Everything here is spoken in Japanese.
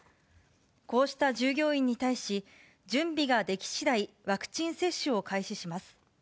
こうした従業員に対し、準備が出来次第、ワクチン接種を開始します。